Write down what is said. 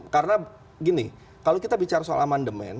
karena gini kalau kita bicara soal aman demand